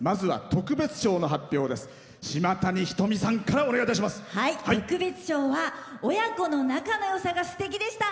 特別賞は親子の仲のよさがすてきでした。